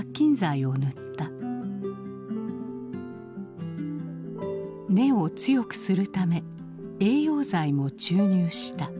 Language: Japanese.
根を強くするため栄養剤も注入した。